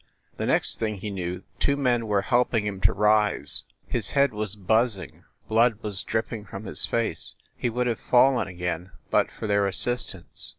The next thing he knew, two men were helping him to rise. His head was buzzing, blood was drip ping from his face; he would have fallen again but for their assistance.